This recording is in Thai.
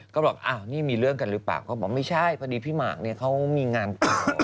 ก็บอกอ้าวนี่มีเรื่องกันหรือเปล่าเขาบอกไม่ใช่พอดีพี่หมากเนี่ยเขามีงานเก่า